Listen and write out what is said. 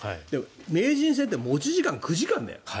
名人戦って持ち時間９時間だよ。